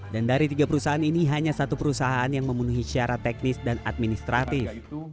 dan dari tiga perusahaan ini hanya satu perusahaan yang memenuhi syarat teknis dan administratif